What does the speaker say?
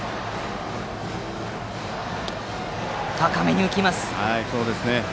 高めに浮きました。